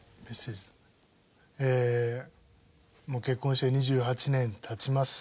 もう結婚して２８年経ちます。